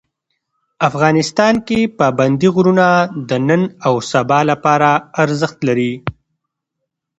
افغانستان کې پابندي غرونه د نن او سبا لپاره ارزښت لري.